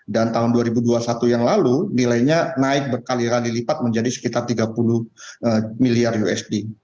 dan tahun dua ribu dua puluh satu yang lalu nilainya naik berkali kali lipat menjadi sekitar tiga puluh miliar usd